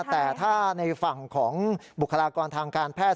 แต่ถ้าในฝั่งของบุคลากรทางการแพทย